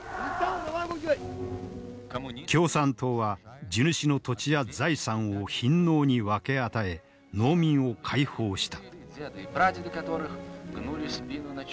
共産党は地主の土地や財産を貧農に分け与え農民を解放した。